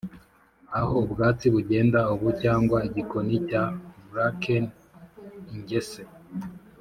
aho ubwatsi bugenda ubu cyangwa igikoni cya bracken ingese